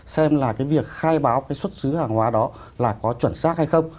xem là cái việc khai báo cái xuất xứ hàng hóa đó là có chuẩn xác hay không